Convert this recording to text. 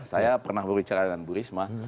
saya pernah berbicara dengan bu risma